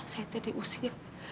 saya teh diusir